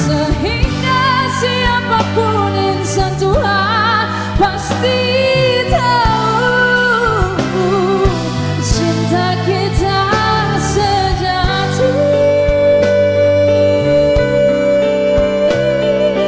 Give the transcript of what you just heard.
sehingga siapapun insan tuhan pasti tahu cinta kita sejati